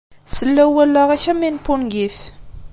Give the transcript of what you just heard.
Sellaw wallaɣ-ik am win n wungif.